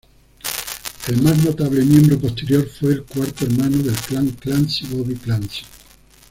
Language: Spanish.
El más notable miembro posterior fue el cuarto hermano del clan Clancy, Bobby Clancy.